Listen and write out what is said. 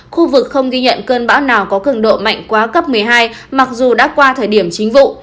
khu vực không ghi nhận cơn bão nào có cường độ mạnh quá cấp một mươi hai mặc dù đã qua thời điểm chính vụ